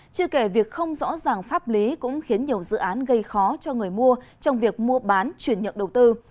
chưa kể việc không rõ ràng pháp lý cũng khiến nhiều dự án gây khó cho người mua trong việc mua bán chuyển nhượng đầu tư